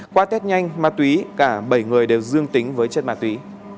qua test nhanh ma túy cả bảy người đều dương tính với chất ma túy